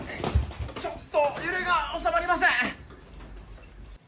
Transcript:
ちょっと揺れが収まりません。